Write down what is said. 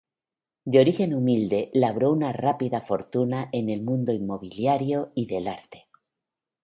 De origen humilde, labró una rápida fortuna en el mundo inmobiliario y del arte.